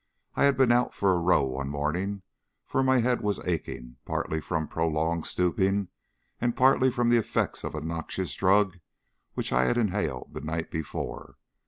I had been out for a row one morning, for my head was aching, partly from prolonged stooping, and partly from the effects of a noxious drug which I had inhaled the night before.